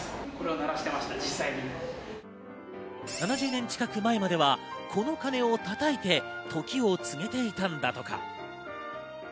７０年近く前までは、この鐘を叩いて時を告げていたんだとか。